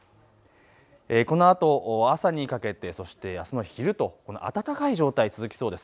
このあと朝にかけて、そしてあすの昼とこの暖かい状態、続きそうです。